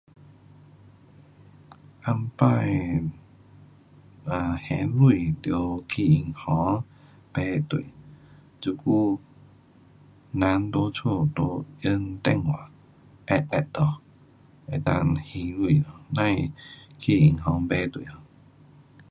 以前的啊拿现钱得去银行排队，这久人在家就用电话，按按下，能够还钱咯。甭去银行排队咯。